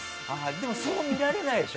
でも、そう見えないでしょ？